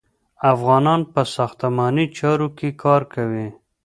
افغانان په ساختماني چارو کې کار کوي.